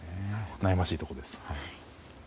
悩ましいところです。